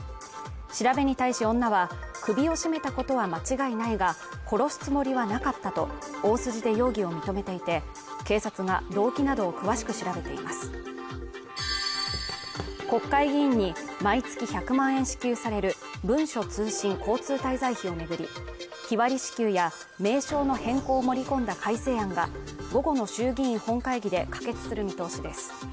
調べに対し女は首を絞めたことは間違いないが殺すつもりはなかったと大筋で容疑を認めていて警察が動機などを詳しく調べています国会議員に毎月１００万円支給される文書通信交通滞在費を巡り日割り支給や名称の変更を盛り込んだ改正案が午後の衆議院本会議で可決する見通しです